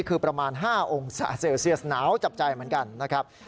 คือประมาณ๕องศาเซลเซียสหนาวจับใจเหมือนกันนะครับ